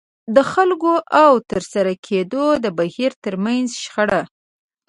د خلکو او د ترسره کېدو د بهير ترمنځ شخړه.